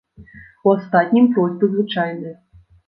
У астатнім просьбы звычайныя.